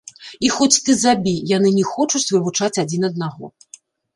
І хоць ты забі, яны не хочуць вывучаць адзін аднаго.